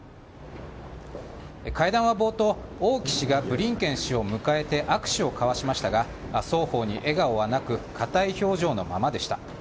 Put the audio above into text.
会談は冒頭、王毅氏がブリンケン氏を迎えて握手を交わしましたが、双方に笑顔はなく、硬い表情のままでした。